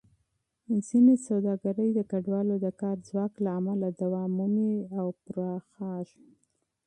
ځینې سوداګرۍ د کډوالو د کار ځواک له امله دوام مومي او پراخېږي.